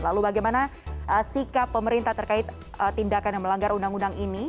lalu bagaimana sikap pemerintah terkait tindakan yang melanggar undang undang ini